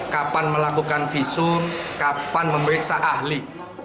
kapan melakukan visum kapan memeriksa ahli